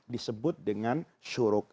disebut dengan syuruk